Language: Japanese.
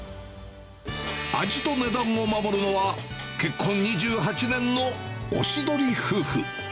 味と値段を守るのは、結婚２８年のおしどり夫婦。